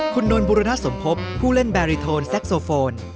คุณนนทบุรณสมภพผู้เล่นแบรีโทนแซ็กโซโฟน